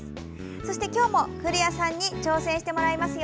そして今日も古谷さんに挑戦してもらいますよ。